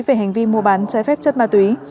về hành vi mua bán trái phép chất ma túy